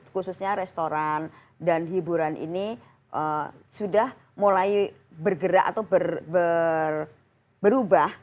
khususnya restoran dan hiburan ini sudah mulai bergerak atau berubah